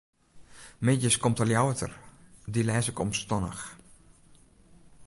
Middeis komt de Ljouwerter, dy lês ik omstannich.